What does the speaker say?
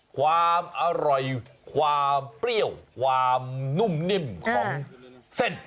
ความอร่อยความเปรี้ยวความนุ่มนิ่มของเส้น